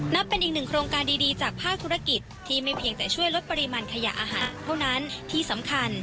นับเป็นอีกหนึ่งโครงการดีดีจากภาคธุรกิจที่ไม่เพียงแต่ช่วยลดปริมาณขยะอาหารเท่านั้นที่สำคัญ